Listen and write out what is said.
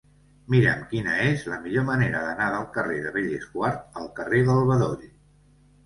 Mira'm quina és la millor manera d'anar del carrer de Bellesguard al carrer del Bedoll.